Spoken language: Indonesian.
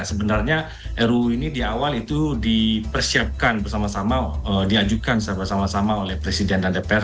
sebenarnya ruu ini di awal itu dipersiapkan bersama sama diajukan secara bersama sama oleh presiden dan dpr